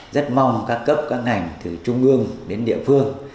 rất mong các cấp các ngành từ trung ương đến địa phương